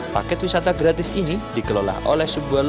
paket wisata gratis ini dikelola oleh sebuah lembaga